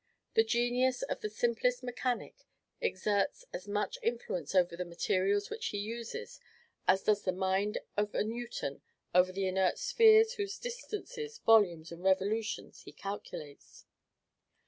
The genius of the simplest mechanic exerts as much influence over the materials which he uses, as does the mind of a Newton over the inert spheres whose distances, volumes, and revolutions he calculates.